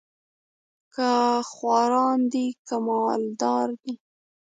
که خواران دي که مال دار دي